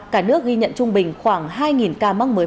cả nước ghi nhận trung bình khoảng hai ca mắc mới